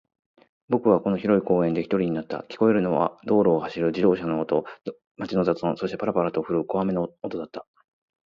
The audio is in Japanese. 僕はこの広い公園で一人になった。聞こえるのは道路を走る自動車の音、街の雑音、そして、パラパラと降る小雨の音だった。